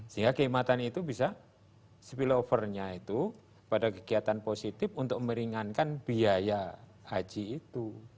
sehingga kehikmatan itu bisa spill over nya itu pada kegiatan positif untuk meringankan biaya haji itu